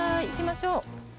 行きましょう。